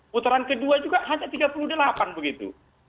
putaran kedua juga hanya tiga puluh delapan begitu